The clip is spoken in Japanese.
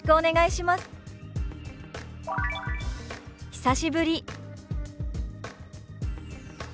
「久しぶり」。